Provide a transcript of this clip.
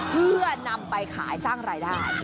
เพื่อนำไปขายสร้างรายได้